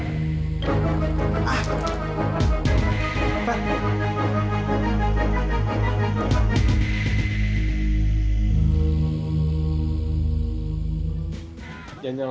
jangan nyalain gua